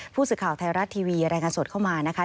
ผู้สื่อข่าวไทยรัฐทีวีรายงานสดเข้ามานะคะ